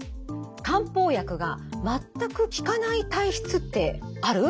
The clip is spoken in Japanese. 「漢方薬が全く効かない体質ってある？」。